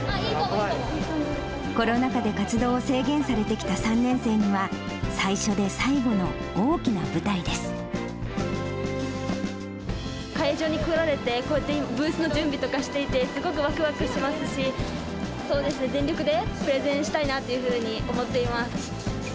コロナ禍で活動を制限されてきた３年生には、最初で最後の大きな会場に来られて、こうやってブースの準備とかしていて、すごくわくわくしますし、全力でプレゼンしたいなというふうに思っています。